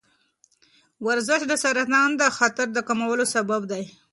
ورزش د سرطان د خطر کمولو سبب دی.